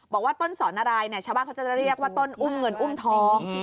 บอกว่าต้นสอนนารายเนี่ยชาวบ้านเขาจะเรียกว่าต้นอุ้มเงินอุ้มทอง